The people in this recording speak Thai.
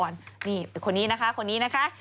นี่คนนี้นะคะคนนี้นะคะ